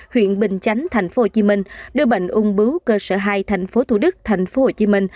huyện bình chánh tp hcm đưa bệnh ung bứu cơ sở hai tp thu đức tp hcm